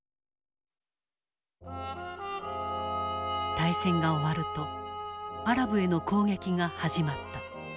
大戦が終わるとアラブへの攻撃が始まった。